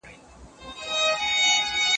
هیڅوک د بل د وژلو حق نه لري.